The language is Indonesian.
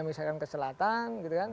misalkan ke selatan gitu kan